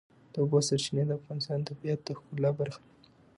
د اوبو سرچینې د افغانستان د طبیعت د ښکلا برخه ده.